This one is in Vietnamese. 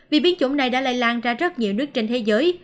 vì biến chủng này đã lây lan ra rất nhiều nước trên thế giới